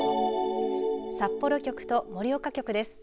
札幌局と盛岡局です。